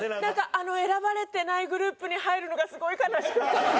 あの選ばれてないグループに入るのがすごい悲しくて。